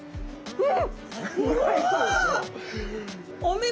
うん。